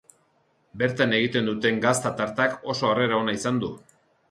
Bertan egiten duten gazta tartak oso harrera ona izan du.